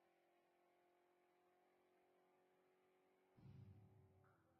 Bere balio nabarmena, arkeologi eta historiari lotuta dago.